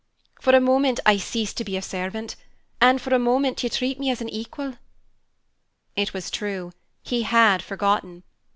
For a moment I cease to be a servant, and for a moment you treat me as an equal." It was true; he had forgotten.